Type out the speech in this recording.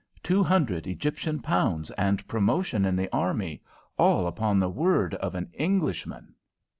"Two hundred Egyptian pounds and promotion in the army, all upon the word of an Englishman."